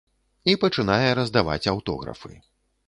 І пачынае раздаваць аўтографы.